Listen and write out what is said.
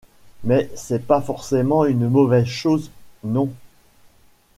Mais c’est pas forcément une mauvaise chose, non ?